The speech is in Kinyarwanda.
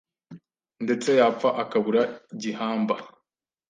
ndetse yapfa akabura gihamba